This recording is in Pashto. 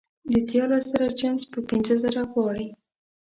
د دیارلس زره جنس په پینځه زره غواړي